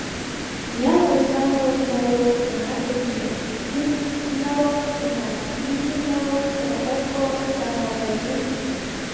— Ял озанлык налог — тынар теҥге, культналог — тынаре, имне налог... страховко... самообложений...